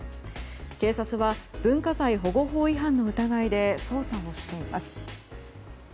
警察は文化財保護法違反の疑いで捜査をしています。